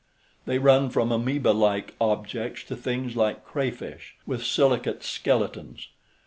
They run from amoeba like objects to things like crayfish, with silicate skeletons.